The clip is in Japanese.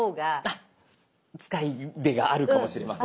あっ使いでがあるかもしれません。